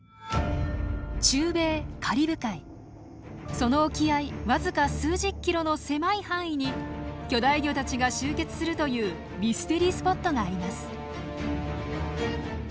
その沖合僅か数十キロの狭い範囲に巨大魚たちが集結するというミステリースポットがあります。